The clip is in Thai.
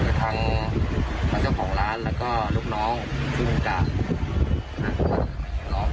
คือทางทางเจ้าของร้านแล้วก็ลูกน้องพี่น้องกาครับ